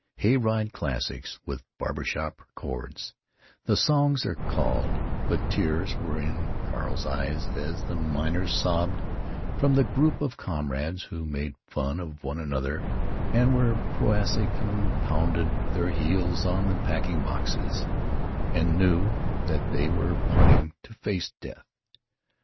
"Hay ride classics, with barber shop chords," the songs are called, but tears were in Carl's eyes as the minors sobbed from the group of comrades who made fun of one another and were prosaic and pounded their heels on the packing boxes—and knew that they were parting to face death.